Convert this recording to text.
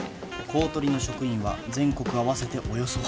公取の職員は全国合わせておよそ８００人。